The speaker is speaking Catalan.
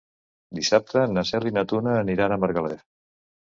Diumenge na Cel i na Tura aniran a Margalef.